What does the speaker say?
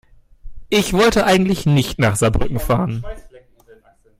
Ich wollte eigentlich nicht nach Saarbrücken fahren